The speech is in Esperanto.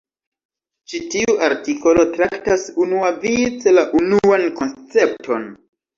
Ĉi tiu artikolo traktas unuavice la unuan koncepton.